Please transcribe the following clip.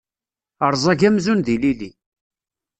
Rẓag amzun d ilili.